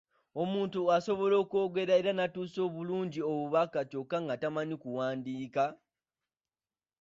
Omuntu asobola okwogera era n'atuusa bulungi obubaka kyokka nga tamanyi kuwandiika!